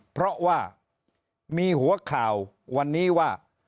เพราะว่ามีหัวข่าววันนี้ว่า